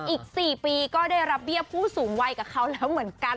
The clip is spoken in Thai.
อีก๔ปีก็ได้รับเบี้ยผู้สูงวัยกับเขาแล้วเหมือนกัน